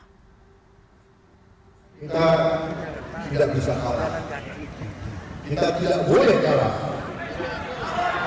kita tidak bisa kalah kita tidak boleh kalah